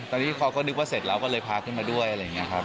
ตอนนี้เขาก็นึกว่าเสร็จแล้วก็เลยพาขึ้นมาด้วยอะไรอย่างนี้ครับ